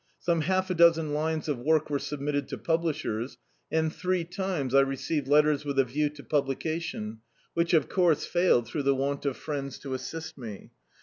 Some half a dozen lines of work were sub mitted to publishers, and three times I received letters with a view to publication, which, of course, failed through the want of friends to assist me.